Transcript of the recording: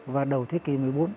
và đầu thế kỷ một mươi bốn